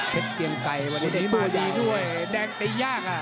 เตียงไก่วันนี้ตีมาดีด้วยแดงตียากอ่ะ